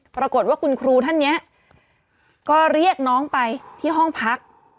ปรากฏว่าคุณครูท่านนี้ก็เรียกน้องไปที่ห้องพัก